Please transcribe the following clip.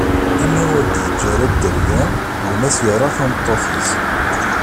Imi ur d-iǧǧi ara dderya, gma-s yerra tameṭṭut-is.